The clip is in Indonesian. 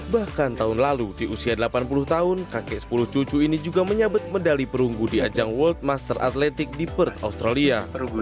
bahkan tahun lalu di usia delapan puluh tahun kakek sepuluh cucu ini juga menyabet medali perunggu di ajang world master atletik di perth australia